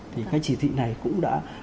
thì cái chỉ thị này cũng đã